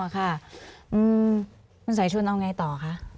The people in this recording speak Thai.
คุณสายชนเอาไงต่อคะ